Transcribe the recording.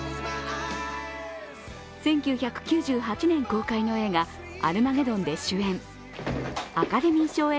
１９９８年公開の映画「アルマゲドン」で主演、アカデミー賞